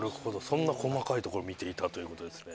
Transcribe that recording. そんな細かいところ見ていたということですね。